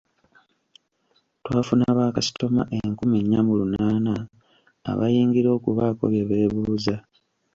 Twafuna bakasitoma enkumi nnya mu lunaana abayingira okubaako bye beebuuza.